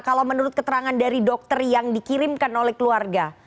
kalau menurut keterangan dari dokter yang dikirimkan oleh keluarga